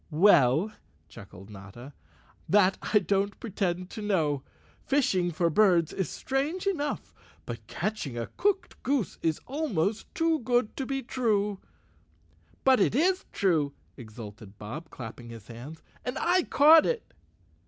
"Well," chuckled Notta, "that I don't pretend to know. Fishing for birds is strange enough, but catch¬ ing a cooked goose is almost too good to be true." 146 _ Chapter Eleven "But it is true," exulted Bob, clapping his hands, "and I caught it!"